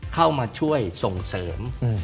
เข้ามาช่วยส่งเสริม